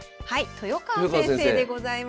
豊川先生でございます。